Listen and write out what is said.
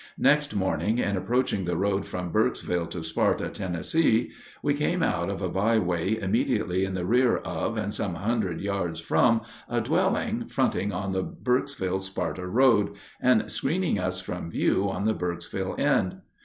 Next morning, in approaching the road from Burkesville to Sparta, Tennessee, we came out of a byway immediately in the rear of and some hundred yards from a dwelling fronting on the Burkesville Sparta road, and screening us from view on the Burkesville end.